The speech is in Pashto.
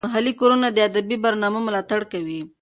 محلي کورونه د ادبي برنامو ملاتړ کوي.